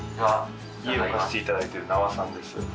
家を貸していただいてる名和さんです。